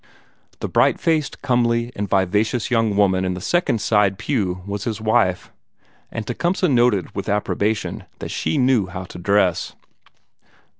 The bright faced, comely, and vivacious young woman in the second side pew was his wife and Tecumseh noted with approbation that she knew how to dress.